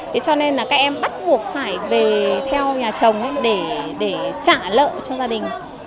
thế cho nên là các em bắt buộc phải về theo nhà chồng để trả lợi cho gia đình